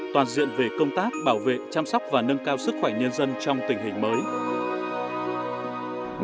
toàn diện về công tác bảo vệ chăm sóc và nâng cao sức khỏe nhân dân trong tình hình mới